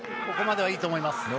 ここまではいいと思います。